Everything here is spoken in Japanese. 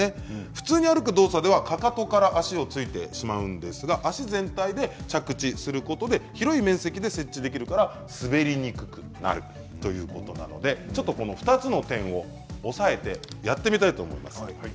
普通に歩く動作ではかかとから足を着いてしまうんですが足全体で着地することで広い面積で接地できるから滑りにくくなるということなのでこの２つの点を押さえてやってみたいと思います。